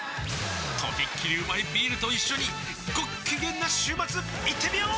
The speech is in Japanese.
とびっきりうまいビールと一緒にごっきげんな週末いってみよー！